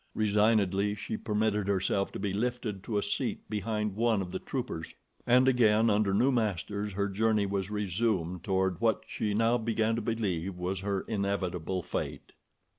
Resignedly she permitted herself to be lifted to a seat behind one of the troopers, and again, under new masters, her journey was resumed toward what she now began to believe was her inevitable fate.